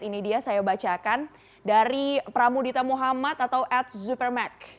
ini dia saya bacakan dari pramudita muhammad atau ad zupermak